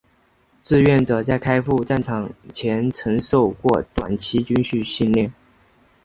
志愿者在开赴战场前曾受过短期军事训练。